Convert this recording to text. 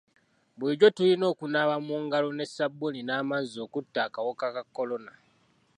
Bulijjo tulina okunaaba mu ngalo ne sabbuuni n'amazzi okutta akawuka ka kolona.